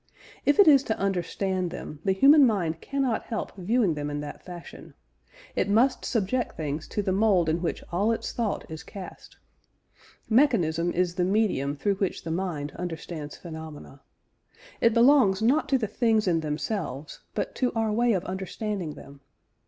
If it is to understand them, the human mind cannot help viewing them in that fashion; it must subject things to the mould in which all its thought is cast. Mechanism is the medium through which the mind understands phenomena. It belongs not to the things in themselves, but to our way of understanding them.